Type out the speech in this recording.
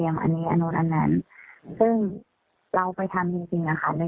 ยังไม่ได้จ่ายทรัพย์ให้เอิ่มเป็นบางคน